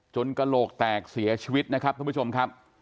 กระโหลกแตกเสียชีวิตนะครับทุกผู้ชมครับ